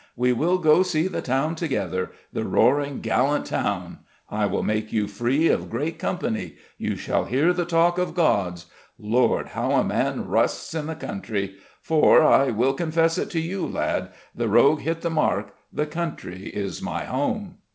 We will go see the town together, the roaring, gallant town. I will make you free of great company: you shall hear the talk of gods! Lord, how a man rusts in the country! for, I will confess it to you, lad, the rogue hit the mark: the country is my home."